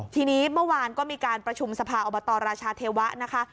ทีนี้เมื่อวานก็มีการประชุมสภาอบตรราชาเทวะนะคะ